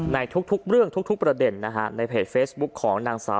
ในทุกเรื่องทุกประเด็นนะคะ